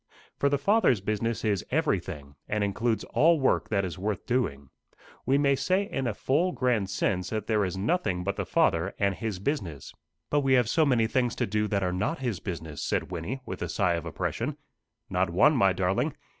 For the Father's business is everything, and includes all work that is worth doing. We may say in a full grand sense, that there is nothing but the Father and his business." "But we have so many things to do that are not his business," said Wynnie, with a sigh of oppression. "Not one, my darling.